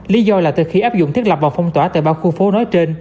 lý do là từ khi áp dụng thiết lập và phong tỏa tại ba khu phố nói trên